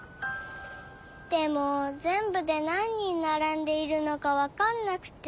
でもぜんぶでなん人ならんでいるのかわかんなくて。